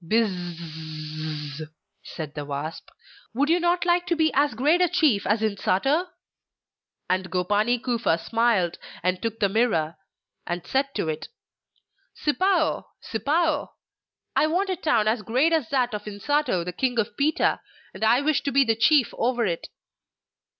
'Biz z z,' said the wasp, 'would you not like to be as great a chief as Insato?' And Gopani Kufa smiled, and took the Mirror and said to it: 'Sipao, Sipao, I want a town as great as that of Insato, the King of Pita; and I wish to be chief over it!